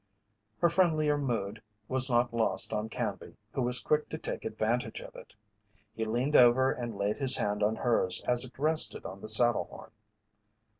Her friendlier mood was not lost on Canby who was quick to take advantage of it. He leaned over and laid his hand on hers as it rested on the saddle horn.